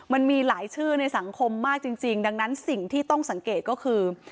มันมีหลายชื่อในสังคมมากจริงดังนั้นสิ่งที่ต้องสังเกตก็คือ